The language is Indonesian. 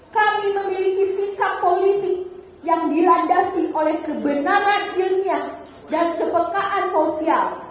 kami memiliki sikap politik yang dilandasi oleh kebenaran ilmiah dan kepekaan sosial